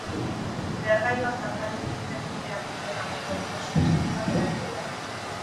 Lehergailua zartarazi duten gunean zeuden hamaika auto suntsituta geratu dira.